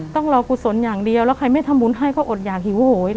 ต้องรอกุศลอย่างเดียวแล้วใครไม่ทำบุญให้ก็อดหยากหิวโหย